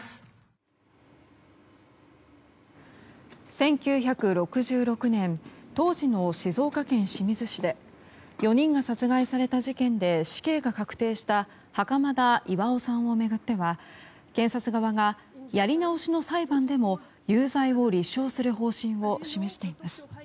１９６６年当時の静岡県清水市で４人が殺害された事件で死刑が確定した袴田巌さんを巡っては検察側がやり直しの裁判でも有罪を立証する方針を示しています。